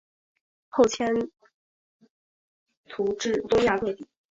后迁徙至东亚各地。